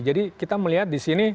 jadi kita melihat disini